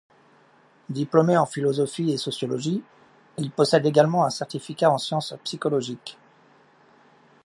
Diplômé en philosophie et sociologie, il possède également un certificat en sciences psychologiques.